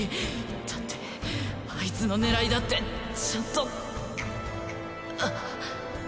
だってアイツの狙いだってちゃんとあっ